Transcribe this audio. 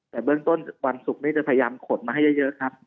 แต่เบื้องต้นวันศุกร์นี้จะพยายามขนมาให้เยอะครับ